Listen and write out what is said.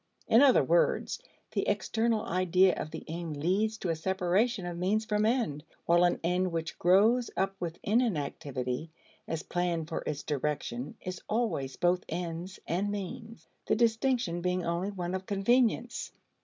In other words, the external idea of the aim leads to a separation of means from end, while an end which grows up within an activity as plan for its direction is always both ends and means, the distinction being only one of convenience.